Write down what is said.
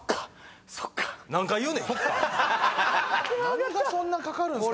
何がそんなかかるんすか？